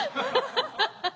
ハハハハハ！